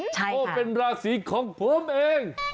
เพราะเป็นราศีของผมเอง